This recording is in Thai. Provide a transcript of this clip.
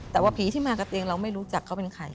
แต่ว่าผีที่มากับเตียงเราไม่รู้จักเขาเป็นใคร